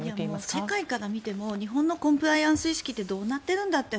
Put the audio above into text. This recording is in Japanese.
世界から見ても日本のコンプライアンス意識ってどうなっているんだって